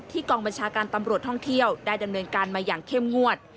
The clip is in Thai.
กองบัญชาการตำรวจท่องเที่ยวได้ดำเนินการมาอย่างเข้มงวด